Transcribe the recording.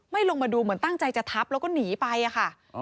ลงมาดูเหมือนตั้งใจจะทับแล้วก็หนีไปอะค่ะ